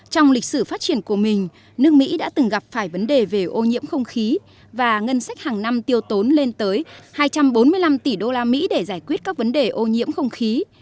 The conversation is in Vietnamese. trong lịch sử phát triển của mình nước mỹ đã từng gặp phải vấn đề về ô nhiễm không khí và ngân sách hàng năm tiêu tốn lên tới hai trăm bốn mươi năm tỷ đô la mỹ để giải quyết các vấn đề ô nhiễm không khí